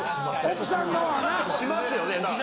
奥さん側はな。しますよね。